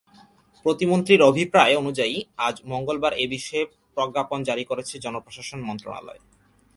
প্রতিমন্ত্রীর অভিপ্রায় অনুযায়ী আজ মঙ্গলবার এ বিষয়ে প্রজ্ঞাপন জারি করেছে জনপ্রশাসন মন্ত্রণালয়।